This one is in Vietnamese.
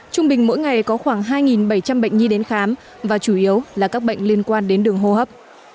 trung bình mỗi ngày có khoảng hai bảy trăm linh bệnh nhi đến khám và chủ yếu là các bệnh liên quan đến đường hô hấp